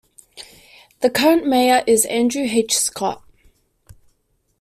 The current mayor is Andrew H. Scott.